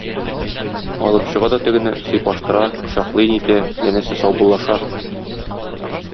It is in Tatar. Алып чыга да тегене сыйпаштыра, кочаклый-нитә, янәсе саубуллаша.